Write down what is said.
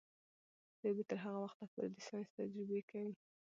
دوی به تر هغه وخته پورې د ساینس تجربې کوي.